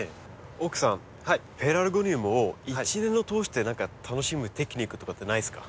奥さんペラルゴニウムを一年を通して楽しむテクニックとかってないですか？